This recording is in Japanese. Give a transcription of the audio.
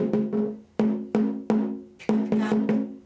ピカピカ。